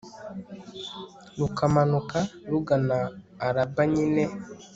rukamanuka rugana araba nyine